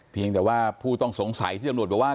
เพียงแต่ว่าผู้ต้องสงสัยที่ตำรวจบอกว่า